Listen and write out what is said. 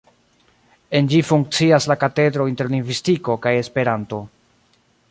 En ĝi funkcias la Katedro Interlingvistiko kaj Esperanto.